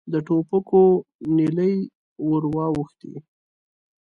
د ټوپکو نلۍ ور واوښتې.